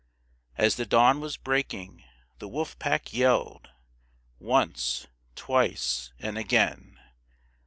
As the dawn was breaking the Wolf Pack yelled Once, twice and again!